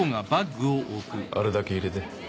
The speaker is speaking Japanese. あるだけ入れて。